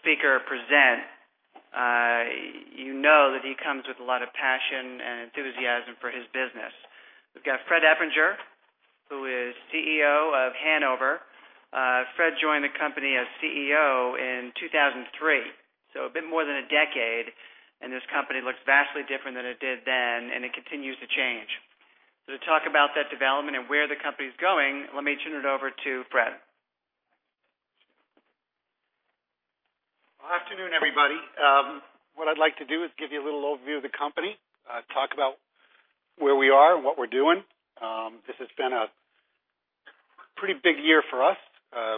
speaker present, you know that he comes with a lot of passion and enthusiasm for his business. We've got Fred Eppinger, who is CEO of Hanover. Fred joined the company as CEO in 2003, so a bit more than a decade, and this company looks vastly different than it did then, and it continues to change. To talk about that development and where the company's going, let me turn it over to Fred. Well, afternoon, everybody. What I'd like to do is give you a little overview of the company, talk about where we are and what we're doing. This has been a pretty big year for us.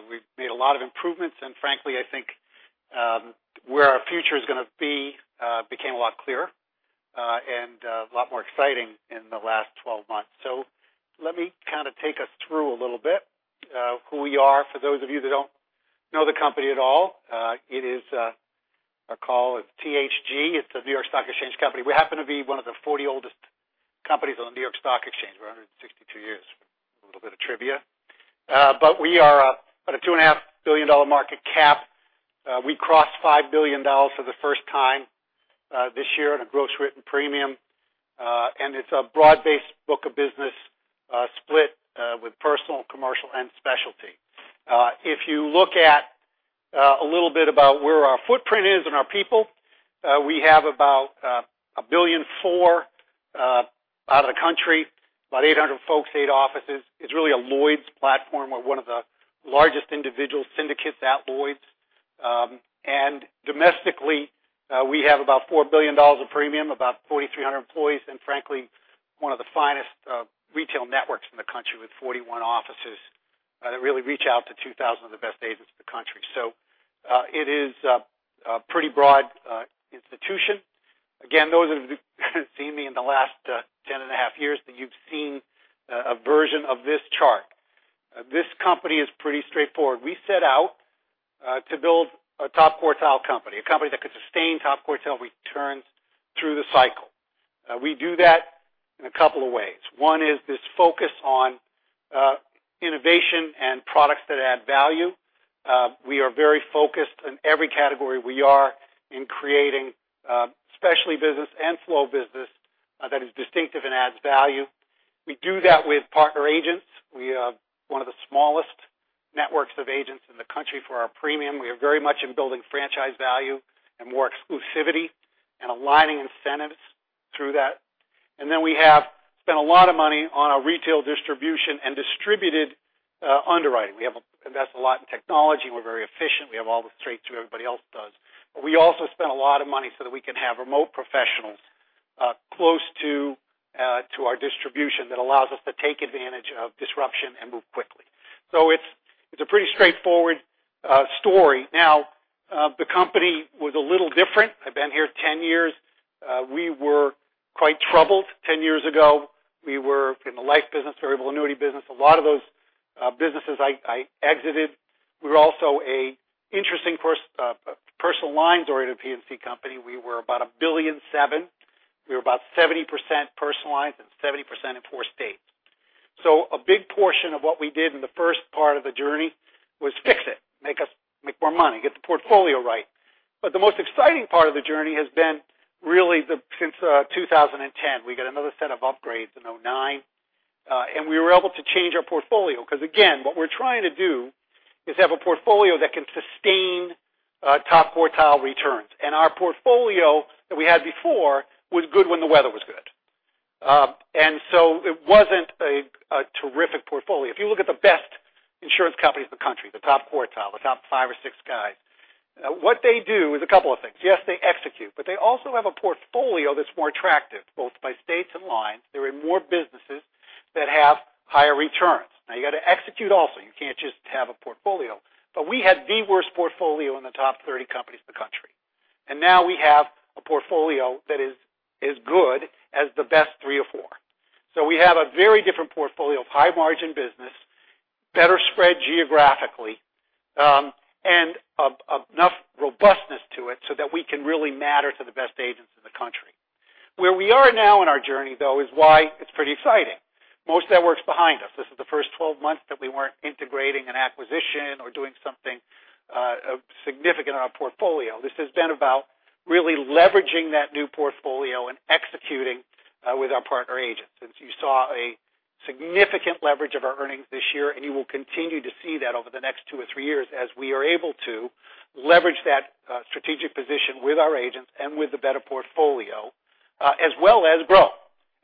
We've made a lot of improvements, and frankly, I think, where our future is going to be became a lot clearer, and a lot more exciting in the last 12 months. Let me kind of take us through a little bit of who we are, for those of you that don't know the company at all. It is our call, it's THG, it's a New York Stock Exchange company. We happen to be one of the 40 oldest companies on the New York Stock Exchange. We're 162 years, a little bit of trivia. We are about a $2.5 billion market cap. We crossed $5 billion for the first time this year in a gross written premium. It's a broad-based book of business split with personal, commercial, and specialty. If you look at a little bit about where our footprint is and our people, we have about $1.4 billion out of the country, about 800 folks, eight offices. It's really a Lloyd's platform. We're one of the largest individual syndicates at Lloyd's. Domestically, we have about $4 billion of premium, about 4,300 employees, and frankly, one of the finest retail networks in the country with 41 offices that really reach out to 2,000 of the best agents in the country. It is a pretty broad institution. Again, those that have seen me in the last 10 and a half years, you've seen a version of this chart. This company is pretty straightforward. We set out to build a top quartile company, a company that could sustain top quartile returns through the cycle. We do that in a couple of ways. One is this focus on innovation and products that add value. We are very focused in every category we are in creating specialty business and flow business that is distinctive and adds value. We do that with partner agents. We are one of the smallest networks of agents in the country for our premium. We are very much in building franchise value and more exclusivity and aligning incentives through that. We have spent a lot of money on our retail distribution and distributed underwriting. We invest a lot in technology. We're very efficient. We have all the straight-through everybody else does. We also spend a lot of money so that we can have remote professionals close to our distribution that allows us to take advantage of disruption and move quickly. It's a pretty straightforward story. The company was a little different. I've been here 10 years. We were quite troubled 10 years ago. We were in the life business, variable annuity business. A lot of those businesses I exited. We were also an interesting personal lines-oriented P&C company. We were about $1.7 billion. We were about 70% personal lines and 70% in four states. A big portion of what we did in the first part of the journey was fix it, make us make more money, get the portfolio right. The most exciting part of the journey has been really since 2010. We got another set of upgrades in 2009. We were able to change our portfolio because, again, what we're trying to do is have a portfolio that can sustain top quartile returns. Our portfolio that we had before was good when the weather was good. It wasn't a terrific portfolio. If you look at the best insurance companies in the country, the top quartile, the top five or six guys, what they do is a couple of things. Yes, they execute, they also have a portfolio that's more attractive, both by states and lines. They're in more businesses that have higher returns. You got to execute also. You can't just have a portfolio. We had the worst portfolio in the top 30 companies in the country. Now we have a portfolio that is as good as the best three or four. We have a very different portfolio of high-margin business, better spread geographically, and enough robustness to it so that we can really matter to the best agents in the country. Where we are now in our journey, though, is why it's pretty exciting. Most of that work's behind us. This is the first 12 months that we weren't integrating an acquisition or doing something significant in our portfolio. This has been about really leveraging that new portfolio and executing with our partner agents, since you saw a significant leverage of our earnings this year, and you will continue to see that over the next two or three years as we are able to leverage that strategic position with our agents and with the better portfolio, as well as grow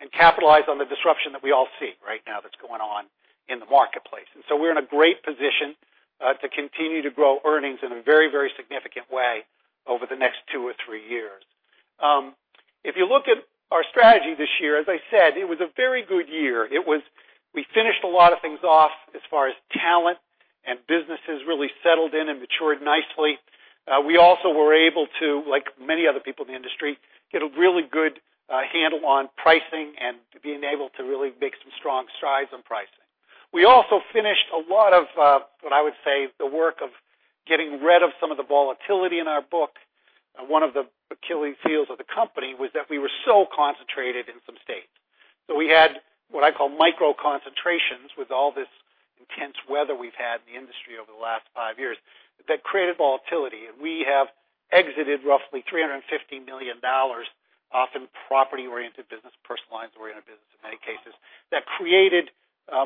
and capitalize on the disruption that we all see right now that's going on in the marketplace. We're in a great position to continue to grow earnings in a very, very significant way over the next two or three years. If you look at our strategy this year, as I said, it was a very good year. We finished a lot of things off as far as talent, and businesses really settled in and matured nicely. We also were able to, like many other people in the industry, get a really good handle on pricing and being able to really make some strong strides on pricing. We also finished a lot of what I would say the work of getting rid of some of the volatility in our book. One of the Achilles heels of the company was that we were so concentrated in some states. We had what I call micro concentrations with all this intense weather we've had in the industry over the last five years that created volatility. We have exited roughly $350 million, often property-oriented business, personal lines-oriented business in many cases, that created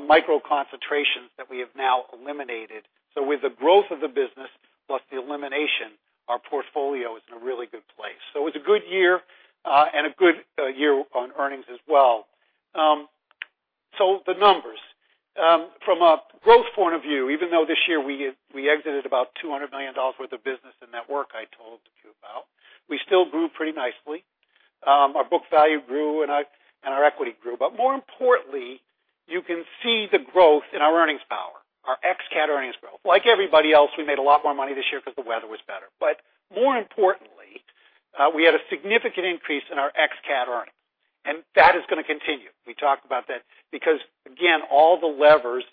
micro concentrations that we have now eliminated. With the growth of the business, plus the elimination, our portfolio is in a really good place. It's a good year and a good year on earnings as well. The numbers. From a growth point of view, even though this year we exited about $200 million worth of business in that work I told you about, we still grew pretty nicely. Our book value grew, and our equity grew. More importantly, you can see the growth in our earnings power, our ex-CAT earnings growth. Like everybody else, we made a lot more money this year because the weather was better. More importantly, we had a significant increase in our ex-CAT earnings, and that is going to continue. We talked about that because, again, all the levers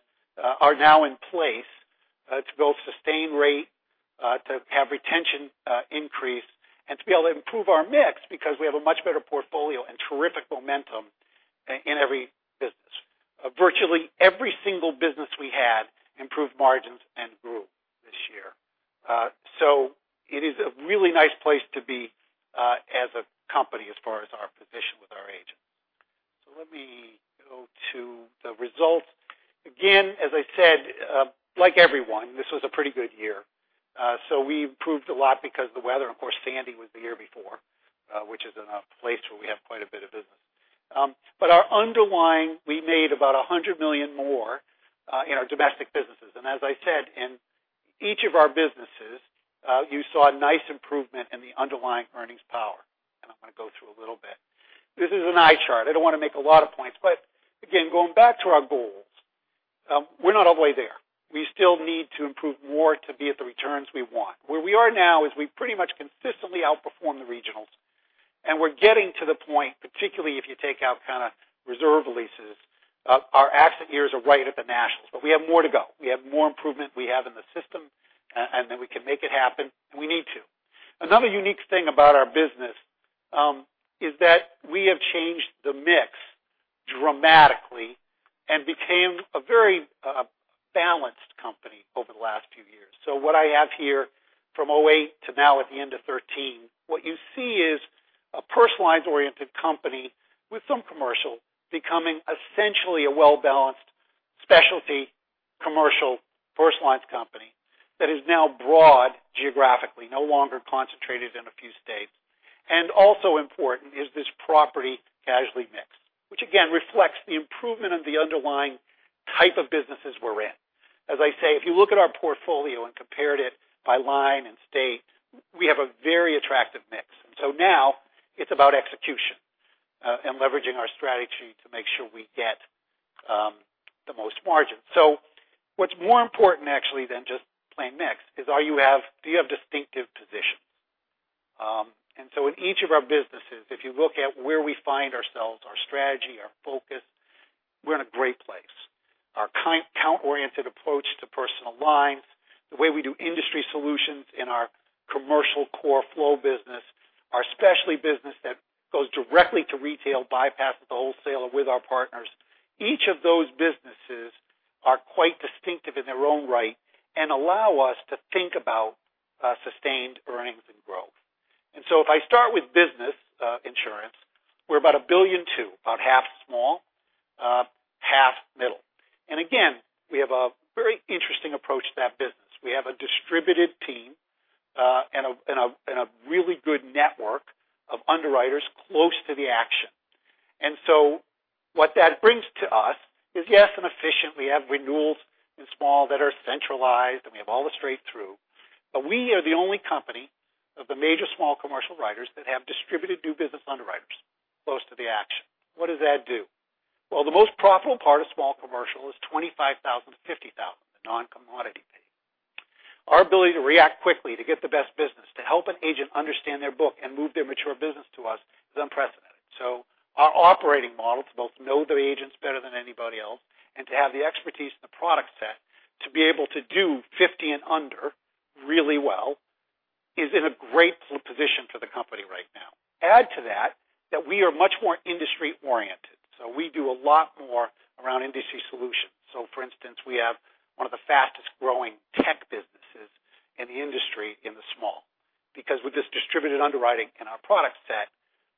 are now in place to both sustain rate, to have retention increase, and to be able to improve our mix because we have a much better portfolio and terrific momentum in every business. Virtually every single business we had improved margins and grew this year. It is a really nice place to be as a company as far as our position with our agents. Let me go to the results. Again, as I said, like everyone, this was a pretty good year. We improved a lot because of the weather. Of course, Sandy was the year before, which is in a place where we have quite a bit of business. Our underlying, we made about $100 million more in our domestic businesses. As I said, in each of our businesses, you saw a nice improvement in the underlying earnings power, and I'm going to go through a little bit. This is an eye chart. I don't want to make a lot of points. Again, going back to our goals, we're not all the way there. We still need to improve more to be at the returns we want. Where we are now is we pretty much consistently outperform the regionals, and we're getting to the point, particularly if you take out reserve releases, our accident years are right at the nationals. We have more to go. We have more improvement we have in the system, and then we can make it happen, and we need to. Another unique thing about our business is that we have changed the mix dramatically and became a very balanced company over the last few years. What I have here from 2008 to now at the end of 2013, what you see is a personal lines-oriented company with some commercial becoming essentially a well-balanced specialty commercial personal lines company that is now broad geographically, no longer concentrated in a few states. Also important is this property casualty mixed, which again reflects the improvement of the underlying type of businesses we're in. As I say, if you look at our portfolio and compared it by line and state, we have a very attractive mix. Now it's about execution and leveraging our strategy to make sure we get the most margin. What's more important actually than just playing mix is do you have distinctive positions? In each of our businesses, if you look at where we find ourselves, our strategy, our focus, we're in a great place. Our count-oriented approach to personal lines, the way we do industry solutions in our commercial core flow business, our specialty business that goes directly to retail bypasses the wholesaler with our partners. Each of those businesses are quite distinctive in their own right and allow us to think about sustained earnings and growth. If I start with business insurance, we're about $1.2 billion, about half small, half middle. Again, we have a very interesting approach to that business. We have a distributed team and a really good network of underwriters close to the action. What that brings to us is, yes, and efficiently, we have renewals in small that are centralized, and we have all the straight through. We are the only company of the major small commercial writers that have distributed new business underwriters close to the action. What does that do? Well, the most profitable part of small commercial is 25,000-50,000, the non-commodity pay. Our ability to react quickly to get the best business, to help an agent understand their book and move their mature business to us is unprecedented. Our operating model to both know the agents better than anybody else and to have the expertise in the product set to be able to do 50 and under really well is in a great position for the company right now. Add to that we are much more industry oriented, we do a lot more around industry solutions. For instance, we have one of the fastest growing tech businesses in the industry in the small. With this distributed underwriting and our product set,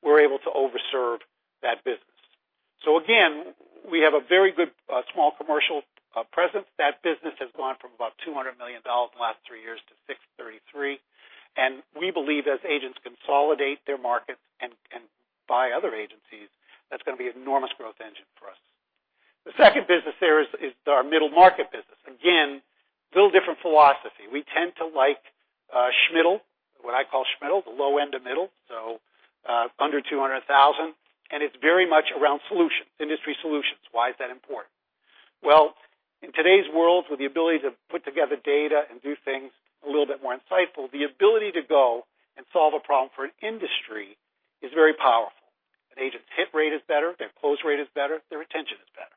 we're able to over-serve that business. Again, we have a very good small commercial presence. That business has gone from about $200 million in the last three years to $633 million. We believe as agents consolidate their markets and buy other agencies, that's going to be an enormous growth engine for us. The second business there is our middle market business. Again, little different philosophy. We tend to like Schmiddle, what I call Schmiddle, the low end of middle, under 200,000, and it's very much around solutions, industry solutions. Why is that important? Well, in today's world, with the ability to put together data and do things a little bit more insightful, the ability to go and solve a problem for an industry is very powerful. An agent's hit rate is better, their close rate is better, their retention is better.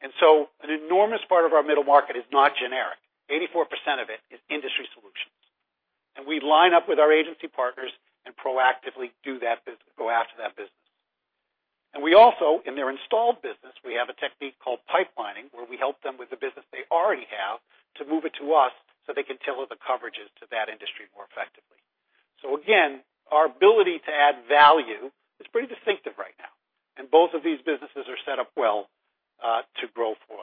An enormous part of our middle market is not generic. 84% of it is industry solutions. We line up with our agency partners and proactively do that business, go after that business. We also, in their installed business, we have a technique called pipelining, where we help them with the business they already have to move it to us so they can tailor the coverages to that industry more effectively. Again, our ability to add value is pretty distinctive right now, and both of these businesses are set up well to grow for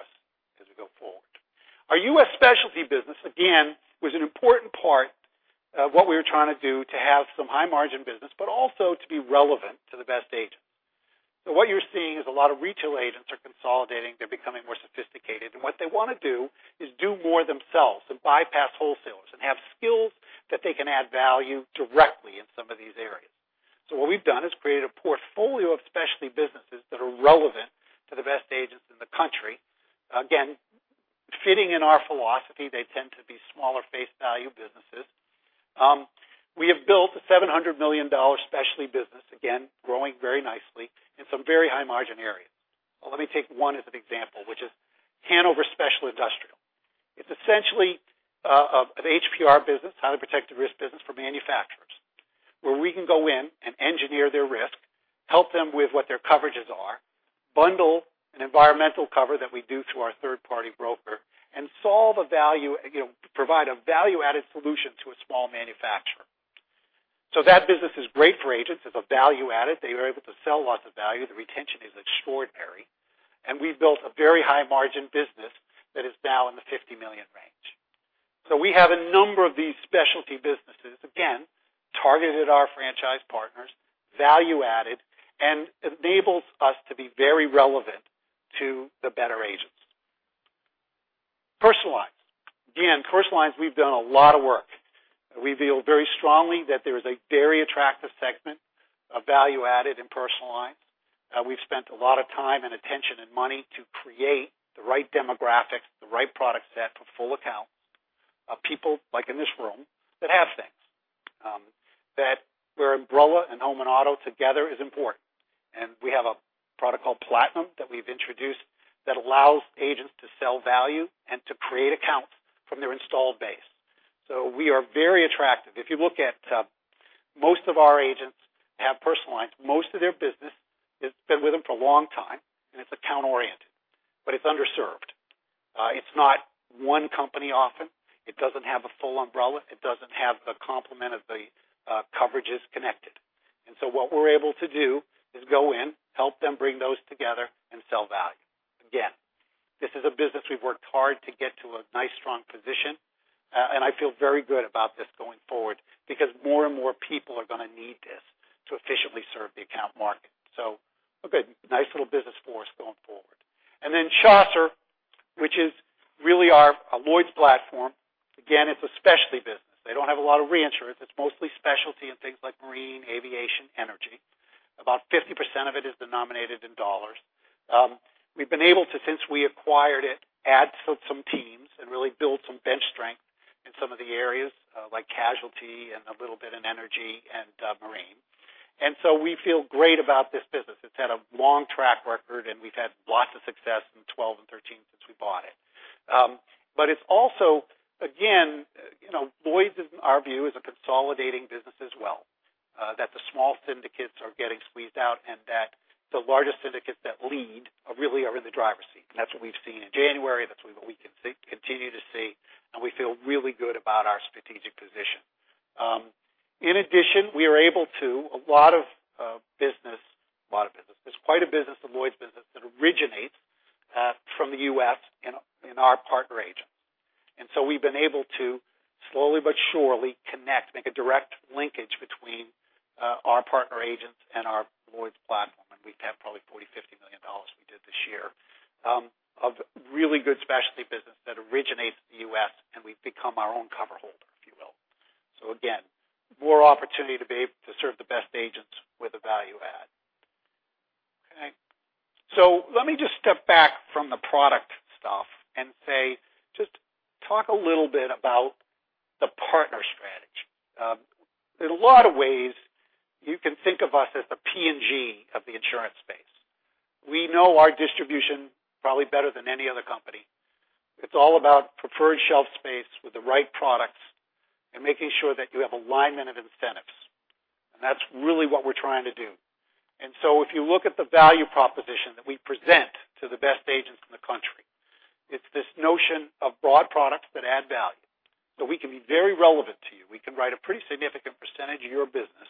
us as we go forward. Our U.S. specialty business, again, was an important part of what we were trying to do to have some high margin business, but also to be relevant to the best agents. What you're seeing is a lot of retail agents are consolidating, they're becoming more sophisticated, and what they want to do is do more themselves and bypass wholesalers and have skills that they can add value directly in some of these areas. What we've done is created a portfolio of specialty businesses that are relevant to the best agents in the country. Again, fitting in our philosophy, they tend to be smaller face value businesses. We have built a $700 million specialty business, again, growing very nicely in some very high margin areas. Let me take one as an example, which is Hanover Specialty Industrial. It's essentially, an HPR business, highly protected risk business for manufacturers, where we can go in and engineer their risk, help them with what their coverages are, bundle an environmental cover that we do through our third-party broker, and solve a value, provide a value-added solution to a small manufacturer. That business is great for agents as a value added. They are able to sell lots of value. The retention is extraordinary. We've built a very high margin business that is now in the $50 million range. We have a number of these specialty businesses, again, targeted our franchise partners, value added, and enables us to be very relevant to the better agents. Personal lines. Again, personal lines, we've done a lot of work. We feel very strongly that there is a very attractive segment of value added in personal lines. We've spent a lot of time and attention and money to create the right demographics, the right product set for full accounts of people, like in this room, that have things, that where umbrella and home and auto together is important. We have a product called Platinum that we've introduced that allows agents to sell value and to create accounts from their installed base. We are very attractive. If you look at, most of our agents have personal lines. Most of their business has been with them for a long time, and it's account-oriented, but it's underserved. It's not one company often. It doesn't have a full umbrella. It doesn't have the complement of the coverages connected. What we're able to do is go in, help them bring those together, and sell value. Again, this is a business we've worked hard to get to a nice, strong position, and I feel very good about this going forward because more and more people are going to need this to efficiently serve the account market. A good, nice little business for us going forward. Chaucer, which is really our Lloyd's platform. Again, it's a specialty business. They don't have a lot of reinsurance. It's mostly specialty in things like marine, aviation, energy. About 50% of it is denominated in dollars. We've been able to, since we acquired it, add some teams and really build some bench strength in some of the areas, like casualty and a little bit in energy and marine. We feel great about this business. It's had a long track record, and we've had lots of success in 2012 and 2013 since we bought it. It's also, again, Lloyd's, in our view, is a consolidating business as well, that the small syndicates are getting squeezed out and that the largest syndicates that lead really are in the driver's seat. That's what we've seen in January. That's what we can continue to see, and we feel really good about our strategic position. In addition, we are able to, a lot of business, there's quite a business of Lloyd's business that originates from the U.S. in our partner agents. We've been able to slowly but surely connect, make a direct linkage between our partner agents and our Lloyd's platform. We have probably $40 million, $50 million we did this year of really good specialty business that originates in the U.S., and we've become our own cover holder, if you will. Again, more opportunity to be able to serve the best agents with a value add. Okay. Let me just step back from the product stuff and say, just talk a little bit about the partner strategy. In a lot of ways, you can think of us as the P&G of the insurance space. We know our distribution probably better than any other company. It's all about preferred shelf space with the right products and making sure that you have alignment of incentives. That's really what we're trying to do. If you look at the value proposition that we present to the best agents in the country, it's this notion of broad products that add value. We can be very relevant to you. We can write a pretty significant percentage of your business,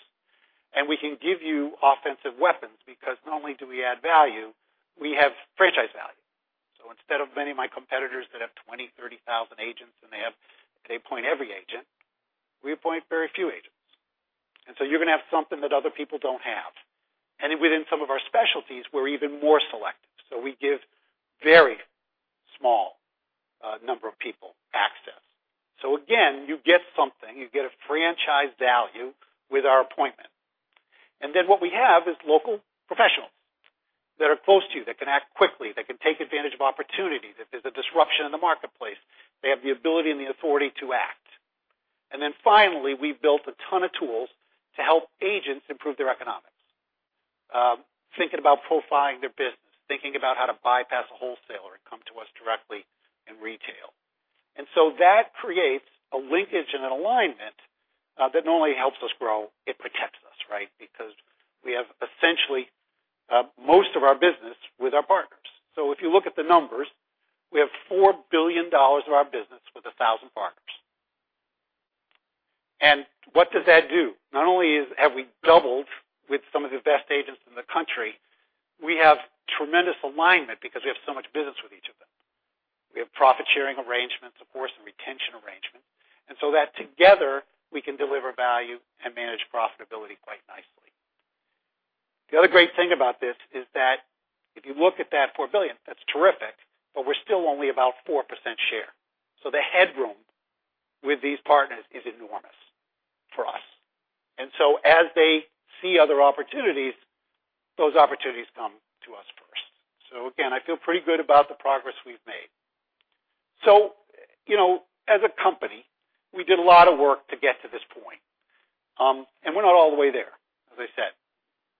and we can give you offensive weapons because not only do we add value, we have franchise value. Instead of many of my competitors that have 20,000, 30,000 agents and they appoint every agent, we appoint very few agents. You're going to have something that other people don't have. Within some of our specialties, we're even more selective. We give very small number of people access. Again, you get something, you get a franchise value with our appointment. What we have is local professionals that are close to you, that can act quickly, that can take advantage of opportunity. If there's a disruption in the marketplace, they have the ability and the authority to act. Finally, we've built a ton of tools to help agents improve their economics, thinking about profiling their business, thinking about how to bypass a wholesaler and come to us directly in retail. That creates a linkage and an alignment that not only helps us grow, it protects us, right? Because we have essentially most of our business with our partners. If you look at the numbers, we have $4 billion of our business with 1,000 partners. What does that do? Not only have we doubled with some of the best agents in the country, we have tremendous alignment because we have so much business with each of them. We have profit-sharing arrangements, of course, and retention arrangements. That together we can deliver value and manage profitability quite nicely. The other great thing about this is that if you look at that $4 billion, that's terrific, but we're still only about 4% share. The headroom with these partners is enormous for us. As they see other opportunities, those opportunities come to us first. Again, I feel pretty good about the progress we've made. As a company, we did a lot of work to get to this point. We're not all the way there. As I said,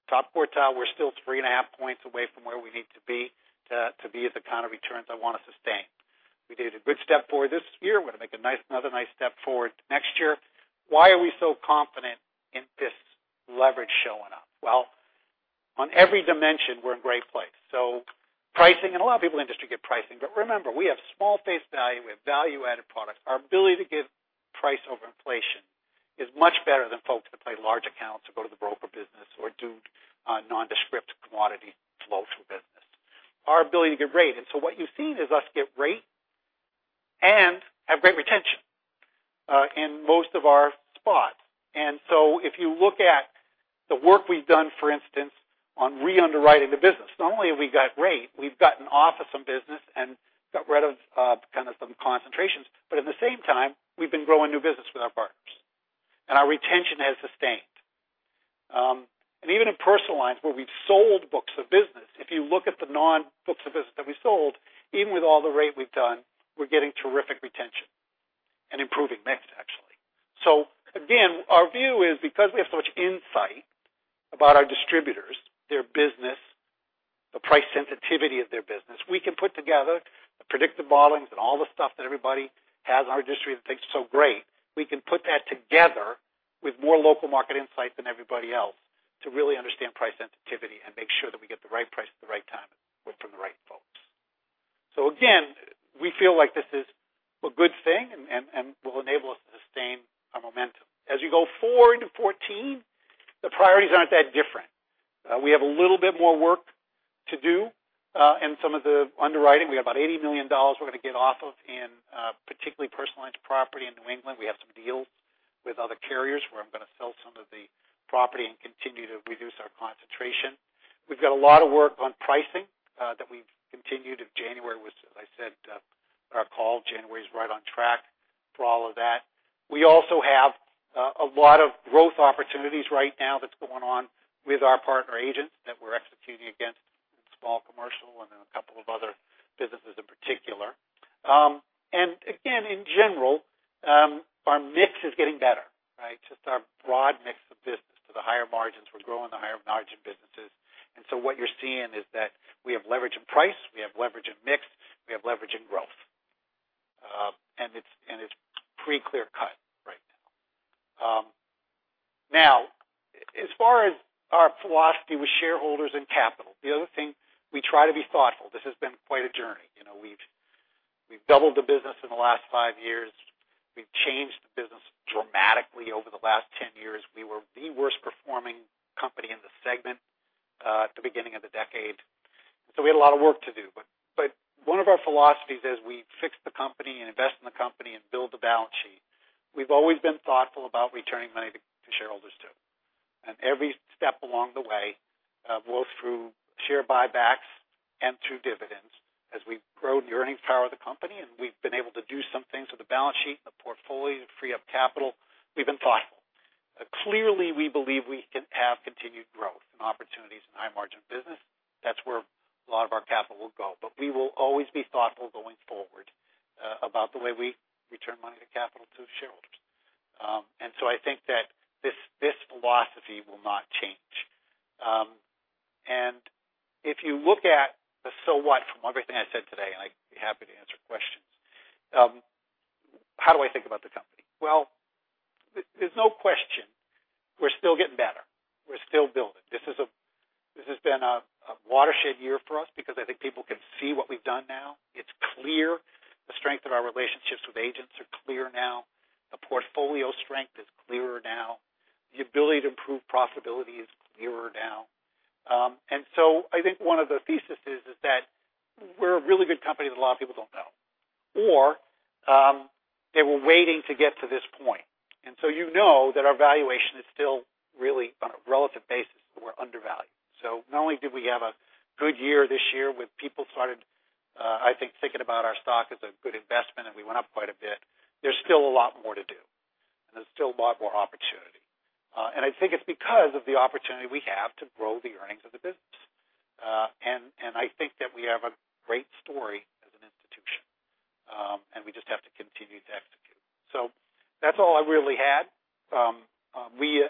top quartile, we're still 3.5 points away from where we need to be to be at the kind of returns I want to sustain. We did a good step forward this year. We're going to make another nice step forward next year. Why are we so confident in this leverage showing up? Well, on every dimension, we're in a great place. Pricing, a lot of people in the industry get pricing, but remember, we have small face value. We have value-added products. Our ability to give price over inflation is much better than folks that play large accounts or go to the broker business or do nondescript commodity flow through business. Our ability to get rate. What you've seen is us get rate and have great retention in most of our spots. If you look at the work we've done, for instance, on re-underwriting the business, not only have we got rate, we've gotten off of some business and got rid of kind of some concentrations. At the same time, we've been growing new business with our partners, and our retention has sustained. Even in personal lines where we've sold books of business, if you look at the non-books of business that we sold, even with all the rate we've done, we're getting terrific retention and improving mix, actually. Again, our view is because we have so much insight about our distributors, their business, the price sensitivity of their business, we can put together the predictive modelings and all the stuff that everybody has in our industry that thinks it's so great. We can put that together with more local market insights than everybody else to really understand price sensitivity and make sure that we get the right price at the right time from the right folks. Again, we feel like this is a good thing and will enable us to sustain our momentum. As you go forward in 2014, the priorities aren't that different. We have a little bit more work to do in some of the underwriting. We have about $80 million we're going to get off of in particularly personal lines property in New England. We have some deals with other carriers where I'm going to sell some of the property and continue to reduce our concentration. We've got a lot of work on pricing that we've continued. January was, as I said in our call, January is right on track for all of that. We also have a lot of growth opportunities right now that's going on with our partner agents that we're executing against in small commercial and in a couple of other businesses in particular. In general, our mix is getting better, right? Just our broad mix of business to the higher margins. We're growing the higher margin businesses. What you're seeing is that we have leverage in price, we have leverage in mix, we have leverage in growth. It's pretty clear cut right now. As far as our philosophy with shareholders and be happy to answer questions, how do I think about the company? Well, there's no question we're still getting better. We're still building. This has been a watershed year for us because I think people can see what we've done now. It's clear. The strength of our relationships with agents are clear now. The portfolio strength is clearer now. The ability to improve profitability is clearer now. I think one of the theses is that we're a really good company that a lot of people don't know, or they were waiting to get to this point. You know that our valuation is still really on a relative basis, we're undervalued. Not only did we have a good year this year with people started, I think, thinking about our stock as a good investment, and we went up quite a bit. There's still a lot more to do, and there's still a lot more opportunity. I think it's because of the opportunity we have to grow the earnings of the business. I think that we have a great story as an institution, and we just have to continue to execute. That's all I really had.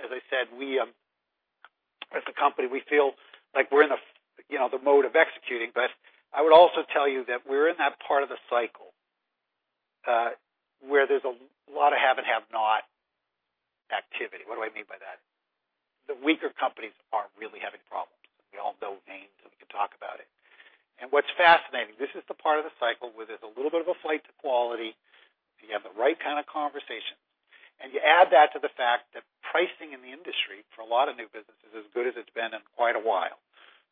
As I said, as a company, we feel like we're in the mode of executing. I would also tell you that we're in that part of the cycle, where there's a lot of have and have-not activity. What do I mean by that? The weaker companies are really having problems. We all know names, and we can talk about it. What's fascinating, this is the part of the cycle where there's a little bit of a flight to quality. You have the right kind of conversations. You add that to the fact that pricing in the industry for a lot of new business is as good as it's been in quite a while.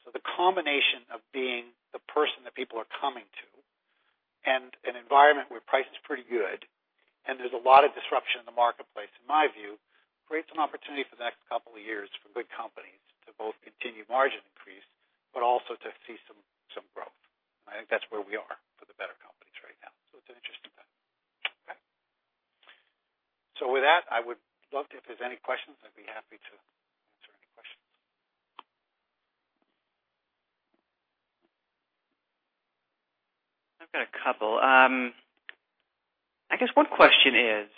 The combination of being the person that people are coming to and an environment where price is pretty good, and there's a lot of disruption in the marketplace, in my view, creates an opportunity for the next couple of years for good companies to both continue margin increase, but also to see some growth. I think that's where we are for the better companies right now. It's an interesting time. Okay. With that, if there's any questions, I'd be happy to answer any questions. I've got a couple. I guess one question is,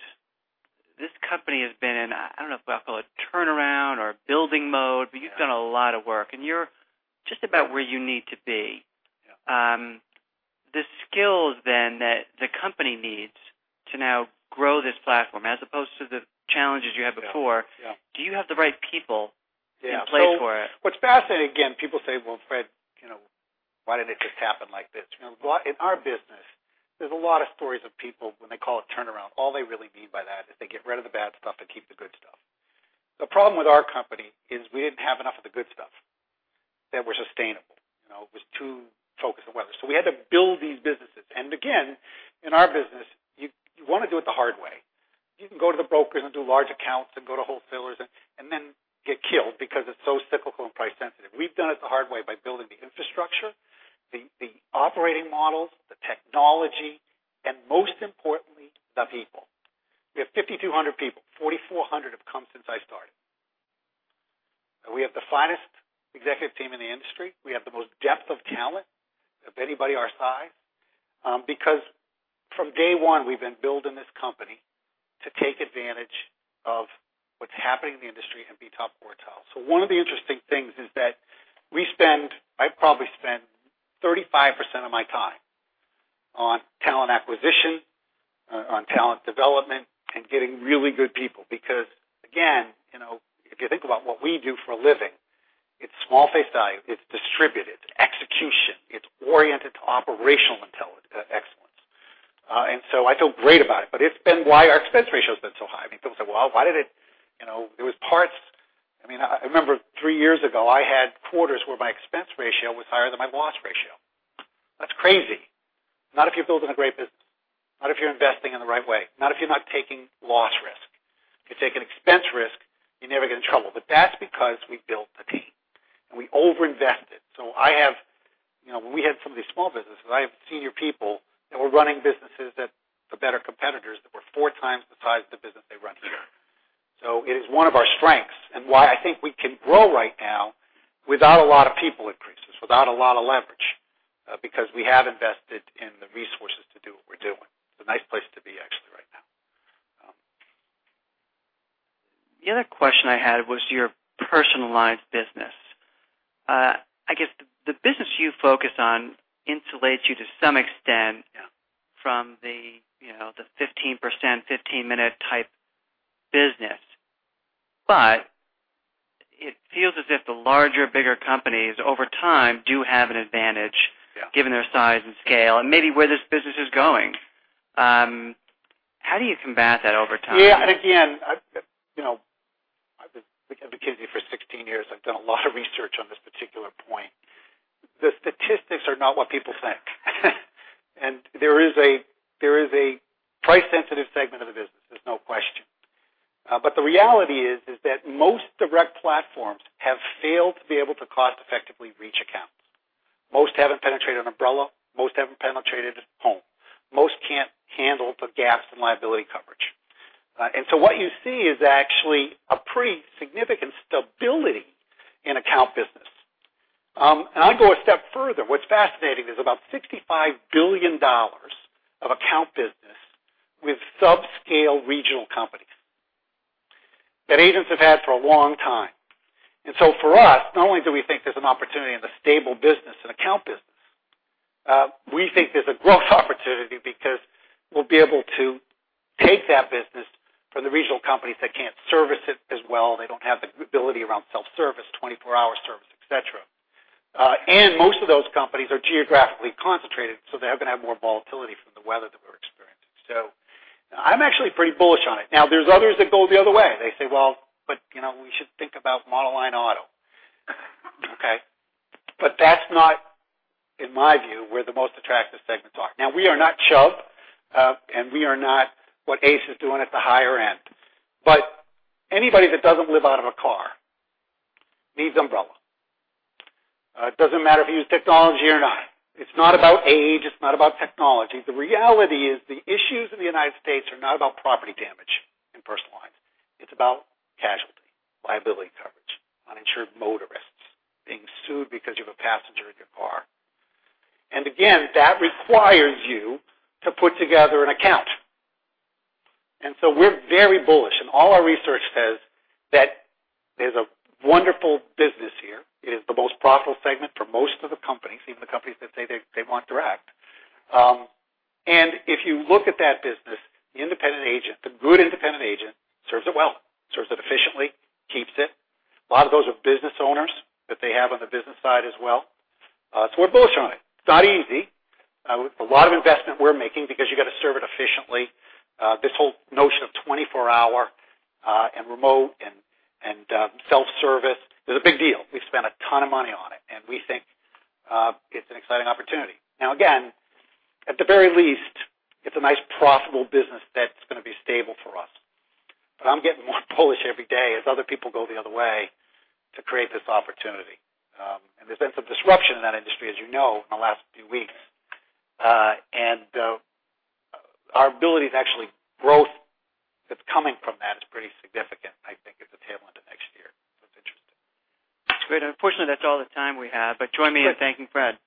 this company has been in, I don't know if I call it turnaround or building mode. Yeah. You've done a lot of work, and you're just about where you need to be. Yeah. The skills then that the company needs to now grow this platform as opposed to the challenges you had before- Yeah. Do you have the right people in place for it? What's fascinating, again, people say, "Well, Fred, why didn't it just happen like this?" In our business, there's a lot of stories of people when they call it turnaround. All they really mean by that is they get rid of the bad stuff and keep the good stuff. The problem with our company is we didn't have enough of the good stuff that was sustainable. It was too focused on weather. We had to build these businesses. Again, in our business, you want to do it the hard way. You can go to the brokers and do large accounts and go to wholesalers and then get killed because it's so cyclical and price sensitive. We've done it the hard way by building the infrastructure, the operating models, the technology, and most importantly, the people. We have 5,200 people. 4,400 have come since I started. We have the finest executive team in the industry. We have the most depth of talent of anybody our size. From day one, we've been building this company to take advantage of what's happening in the industry and be top quartile. One of the interesting things is that I probably spend 35% of my time on talent acquisition, on talent development, and getting really good people. Again, if you think about what we do for a living, it's small face value, it's distributed, it's execution, it's oriented to operational excellence. I feel great about it, but it's been why our expense ratio has been so high. I mean, people say, well, I remember three years ago, I had quarters where my expense ratio was higher than my loss ratio. That's crazy. Not if you're building a great business, not if you're investing in the right way, not if you're not taking loss risk. If you take an expense risk, you never get in trouble. That's because we built a team, and we over-invested. When we had some of these small businesses, I have senior people that were running businesses that for better competitors, that were four times the size of the business they run here. It is one of our strengths and why I think we can grow right now without a lot of people increases, without a lot of leverage, because we have invested in the resources to do what we're doing. It's a nice place to be actually right now. The other question I had was your personalized business. I guess the business you focus on insulates you to some extent. Yeah From the 15%, 15-minute type business. It feels as if the larger, bigger companies over time do have an advantage. Yeah Given their size and scale and maybe where this business is going. How do you combat that over time? Yeah. Again, I've been at McKinsey for 16 years. I've done a lot of research on this particular point. The statistics are not what people think. There is a price-sensitive segment of the business. There's no question. The reality is that most direct platforms have failed to be able to cost-effectively reach accounts. Most haven't penetrated umbrella, most haven't penetrated home. Most can't handle the gaps in liability coverage. So what you see is actually a pretty significant stability in account business. I'd go a step further. What's fascinating, there's about $65 billion of account business with subscale regional companies that agents have had for a long time. For us, not only do we think there's an opportunity in the stable business, in account business, we think there's a growth opportunity because we'll be able to take that business from the regional companies that can't service it as well. They don't have the ability around self-service, 24-hour service, et cetera. Most of those companies are geographically concentrated, so they are going to have more volatility from the weather that we're experiencing. I'm actually pretty bullish on it. There's others that go the other way. They say, "Well, we should think about monoline auto." Okay. That's not, in my view, where the most attractive segments are. We are not Chubb, and we are not what ACE is doing at the higher end. But anybody that doesn't live out of a car needs umbrella. It doesn't matter if you use technology or not. It's not about age, it's not about technology. The reality is the issues in the U.S. are not about property damage in personal lines. It's about casualty, liability coverage, uninsured motorists, being sued because you have a passenger in your car. Again, that requires you to put together an account. We're very bullish, and all our research says that there's a wonderful business here. It is the most profitable segment for most of the companies, even the companies that say they want direct. If you look at that business, the independent agent, the good independent agent serves it well, serves it efficiently, keeps it. A lot of those are business owners that they have on the business side as well. We're bullish on it. It's not easy. A lot of investment we're making because you got to serve it efficiently. This whole notion of 24-hour, and remote, and self-service is a big deal. We've spent a ton of money on it, and we think it's an exciting opportunity. Again, at the very least, it's a nice profitable business that's going to be stable for us. I'm getting more bullish every day as other people go the other way to create this opportunity. There's been some disruption in that industry, as you know, in the last few weeks. Our ability to actually growth that's coming from that is pretty significant, I think, as we tail into next year. It's interesting. Great. Unfortunately, that's all the time we have. Join me in thanking Fred.